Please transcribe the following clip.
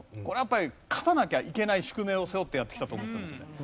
これはやっぱり勝たなきゃいけない宿命を背負ってやってきたと思ってますね。